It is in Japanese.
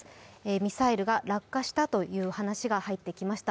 ミサイルが落下したという話が入ってきました。